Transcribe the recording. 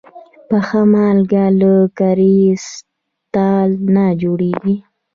پخه مالګه له کريستال نه جوړېږي.